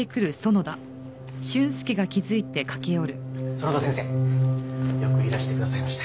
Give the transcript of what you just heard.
園田先生よくいらしてくださいました。